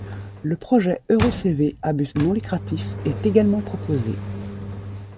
Le projet EuroCv à but non lucratif est également proposé.